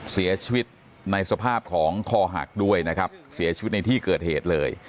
เสียชีวิตในสภาพของคอหักด้วยนะครับเสียชีวิตในที่เกิดเหตุเลย